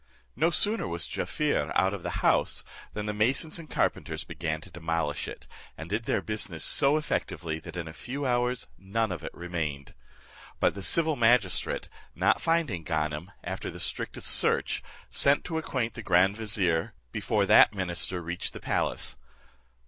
No sooner was Jaaffier out of the house, than the masons and carpenters began to demolish it, and did their business so effectually, that in a few hours none of it remained. But the civil magistrate, not finding Ganem, after the strictest search, sent to acquaint the grand vizier, before that minister reached the palace.